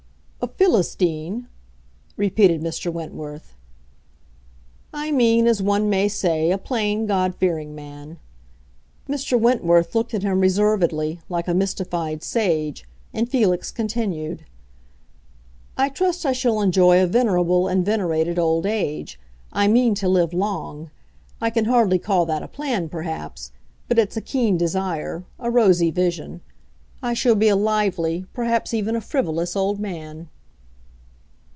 "A Philistine?" repeated Mr. Wentworth. "I mean, as one may say, a plain, God fearing man." Mr. Wentworth looked at him reservedly, like a mystified sage, and Felix continued, "I trust I shall enjoy a venerable and venerated old age. I mean to live long. I can hardly call that a plan, perhaps; but it's a keen desire—a rosy vision. I shall be a lively, perhaps even a frivolous old man!"